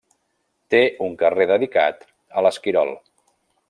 Té un carrer dedicat a l'Esquirol.